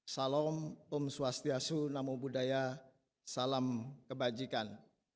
salam um swastiastu namo buddhaya salam kebajikan